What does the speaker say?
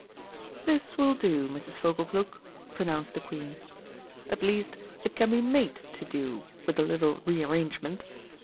"This will do, Mrs. Fogleplug," pronounced the Queen. "At least it can be made to do, with a little re arrangement.